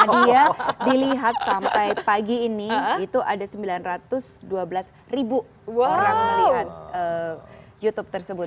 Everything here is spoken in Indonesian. nah dia dilihat sampai pagi ini itu ada sembilan ratus dua belas ribu orang melihat youtube tersebut